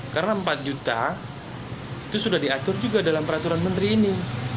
karena empat juta itu sudah diatur juga dalam peraturan menteri ini